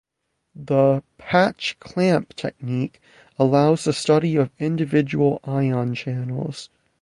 The "patch-clamp" technique allows the study of individual ion channels.